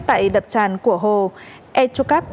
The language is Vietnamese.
tại đập tràn của hồ etchukap